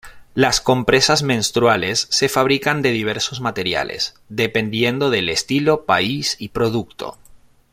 Las compresas menstruales se fabrican de diversos materiales, dependiendo del estilo, país y producto.